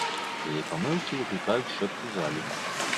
Яе памылкі выклікаюць шэпт у залі.